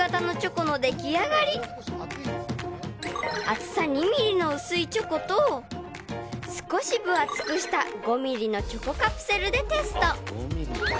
［厚さ２ｍｍの薄いチョコと少し分厚くした５ｍｍのチョコカプセルでテスト］